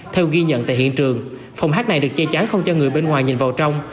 theo ghi nhận tại hiện trường phòng hát này được che chắn không cho người bên ngoài nhìn vào trong